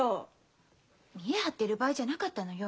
見栄張ってる場合じゃなかったのよ。